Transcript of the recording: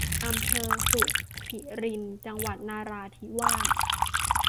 อำเภอสุคิริน จังหวัดนราธิวาส